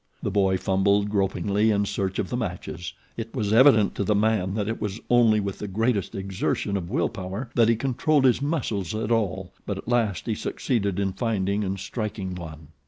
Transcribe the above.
The boy fumbled gropingly in search of the matches. It was evident to the man that it was only with the greatest exertion of will power that he controlled his muscles at all; but at last he succeeded in finding and striking one.